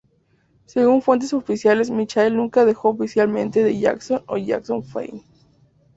Según fuentes oficiales Michael nunca dejó oficialmente The Jacksons o Jackson Five.